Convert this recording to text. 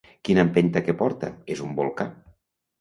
Quina empenta que porta: és un volcà!